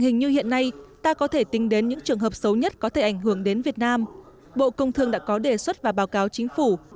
các trường hợp xấu nhất có thể ảnh hưởng đến việt nam bộ công thương đã có đề xuất và báo cáo chính phủ